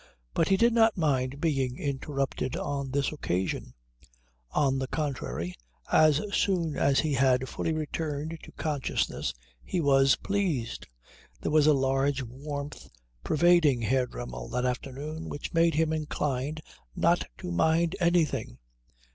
But he did not mind being interrupted on this occasion; on the contrary, as soon as he had fully returned to consciousness he was pleased. There was a large warmth pervading Herr Dremmel that afternoon which made him inclined not to mind anything.